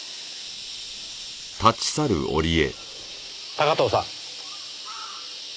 高塔さん。